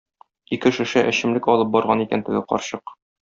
Ике шешә эчемлек алып барган икән теге карчык.